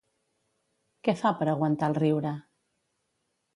Què fa per aguantar el riure?